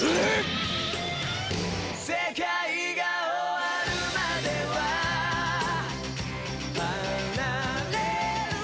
「世界が終わるまでは離れる事もない」